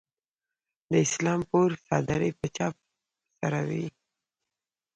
د اسلام پور څادرې به چا سره وي؟